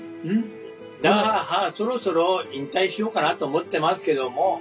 そろそろ引退しようかなと思ってますけども。